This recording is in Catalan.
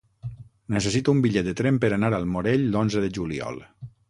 Necessito un bitllet de tren per anar al Morell l'onze de juliol.